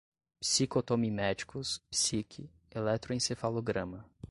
psicotomiméticos, psique, eletroencefalograma